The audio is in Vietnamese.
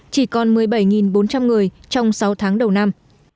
chỉ còn một mươi bảy bốn trăm linh người trong sáu tháng đầu năm